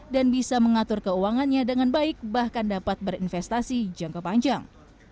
bisa mengatur keuangannya dengan baik bahkan dapat berinvestasi jangka panjang